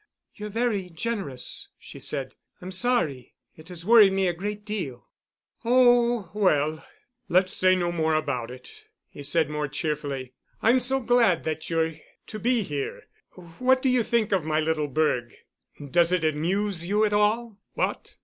"You're very generous," she said. "I'm sorry. It has worried me a great deal." "Oh, well, let's say no more about it," he said more cheerfully. "I'm so glad that you're to be here. What do you think of my little burg? Does it amuse you at all? What?